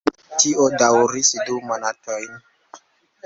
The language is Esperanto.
Tio daŭris du monatojn.